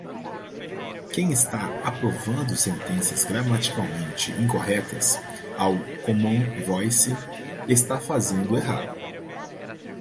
Quem está aprovando sentenças gramaticalmente incorretas ao Common Voice, está fazendo errado.